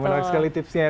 terima kasih sekali tipsnya